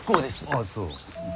ああそう？